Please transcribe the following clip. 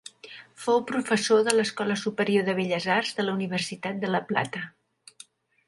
Fou professor de l'Escola Superior de Belles Arts de la Universitat de La Plata.